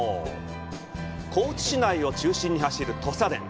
高知市内を中心に走る「とさでん」。